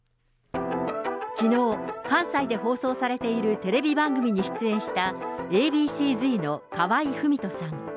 きのう、関西で放送されているテレビ番組に出演した、Ａ．Ｂ．ＣーＺの河合郁人さん。